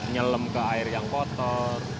nyelem ke air yang kotor